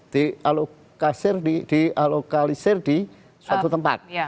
dialokasi di suatu tempat